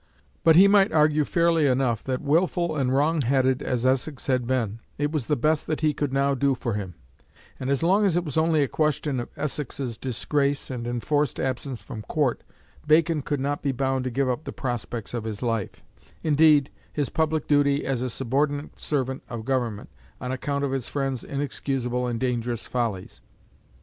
But he might argue fairly enough that, wilful and wrong headed as Essex had been, it was the best that he could now do for him; and as long as it was only a question of Essex's disgrace and enforced absence from Court, Bacon could not be bound to give up the prospects of his life indeed, his public duty as a subordinate servant of government on account of his friend's inexcusable and dangerous follies.